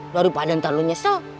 daripada entah lo nyesel